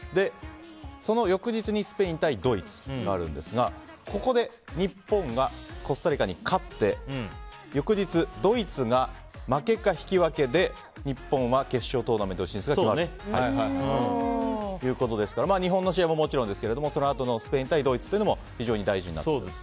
その翌日にスペイン対ドイツとなるんですがここで日本がコスタリカに勝って翌日、ドイツが負けか引き分けで日本は決勝トーナメント進出が決まるということですから日本の試合ももちろんですけどもそのあとのスペイン対ドイツも非常に大事になってくると。